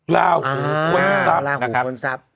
ราหูคนทรัพย์